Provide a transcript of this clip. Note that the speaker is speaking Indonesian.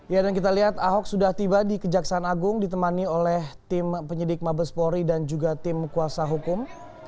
ya dan kita lihat ahok sudah tiba di kejaksaan agung ditemani oleh tim penyidik mabespori dan juga tim kuasa hukum